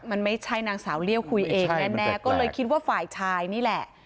มันไม่ใช่นางสาวเลี่ยวคุยเองแน่ก็เลยคิดว่าฝ่ายชายนี่แหละ